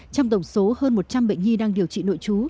trong tổng số hơn một trăm linh bệnh nhi đang điều trị nội trú